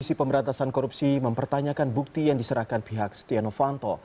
komisi pemberantasan korupsi mempertanyakan bukti yang diserahkan pihak setia novanto